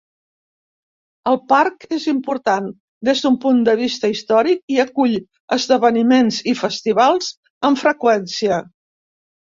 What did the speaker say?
El parc és important des d'un punt de vista històric i acull esdeveniments i festivals amb freqüència.